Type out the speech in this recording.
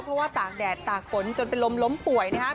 เพราะว่าตากแดดตากฝนจนเป็นลมล้มป่วยนะครับ